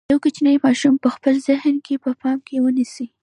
یو کوچنی ماشوم په خپل ذهن کې په پام کې ونیسئ.